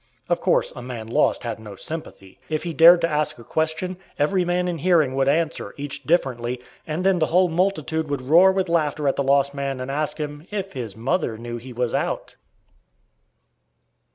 Of course, a man lost had no sympathy. If he dared to ask a question, every man in hearing would answer, each differently, and then the whole multitude would roar with laughter at the lost man, and ask him "if his mother knew he was out?"